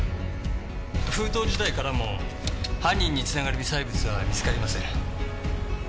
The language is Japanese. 封筒自体からも犯人に繋がる微細物は見つかりません。